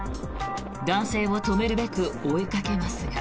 男性を止めるべく追いかけますが。